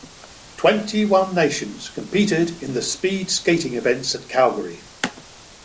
Twenty-one nations competed in the speed skating events at Calgary.